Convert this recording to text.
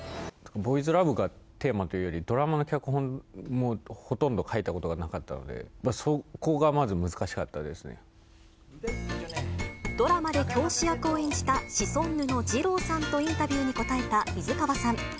ボーイズラブがテーマというより、ドラマの脚本もほとんど書いたことがなかったので、そこがドラマで教師役を演じた、シソンヌのじろうさんとインタビューに答えた水川さん。